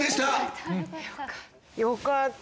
よかった。